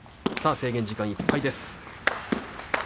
制限時間いっぱいです。